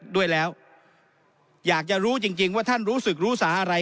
ด้วยแล้วอยากจะรู้จริงว่าท่านรู้สึกรู้สาอะไร